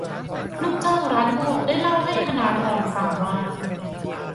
ลูกจ้างร้านนวดได้เล่าให้ธนาธรฟังว่า